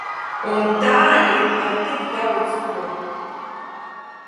Un tā ir ar tik daudz ko.